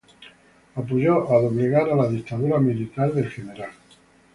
Apoyó a doblegar a la dictadura militar del Gral.